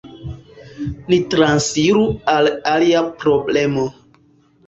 Ni transiru al alia problemo.